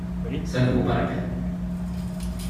Ça ne vaut la peine.